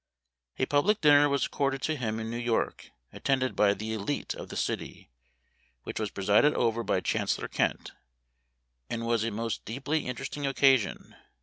A public dinner was accorded to him in New York, attended by the elite of the city, which was presided over by Chancellor Kent, and was a most deeply interesting occasion.